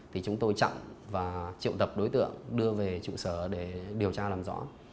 thì chúng tôi chặn và triệu tập đối tượng đưa về trụ sở để điều tra làm rõ